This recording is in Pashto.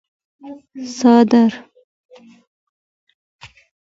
سدره